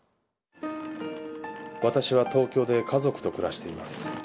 私は東京で家族と暮らしています。